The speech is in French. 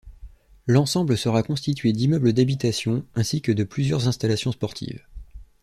L'ensemble sera constitué d'immeubles d'habitations ainsi que de plusieurs installations sportives.